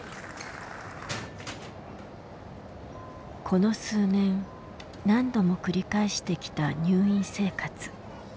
この数年何度も繰り返してきた入院生活。